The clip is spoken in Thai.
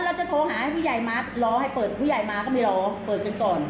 เราจะโทรหาให้ผู้ใหญ่มารอให้เปิดผู้ใหญ่มาก็ไม่รอเปิดกันก่อน